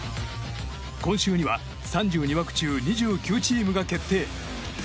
今週には３２枠中２９チームが決定。